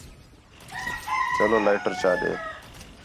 چلو لائیٹر چا ݙے